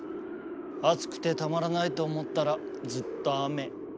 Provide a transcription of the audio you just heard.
暑くてたまらないと思ったらずっと雨。